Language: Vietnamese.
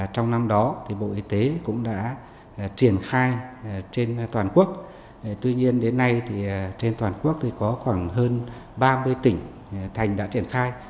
trong năm đó bộ y tế cũng đã triển khai trên toàn quốc tuy nhiên đến nay trên toàn quốc có khoảng hơn ba mươi tỉnh thành đã triển khai